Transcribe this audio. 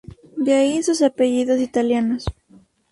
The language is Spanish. De ahí sus apellidos italianos.